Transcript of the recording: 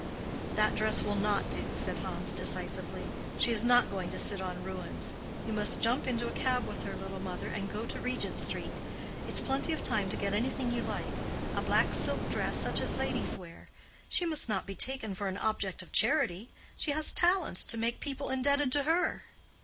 "That dress will not do," said Hans, decisively. "She is not going to sit on ruins. You must jump into a cab with her, little mother, and go to Regent Street. It's plenty of time to get anything you like—a black silk dress such as ladies wear. She must not be taken for an object of charity. She has talents to make people indebted to her."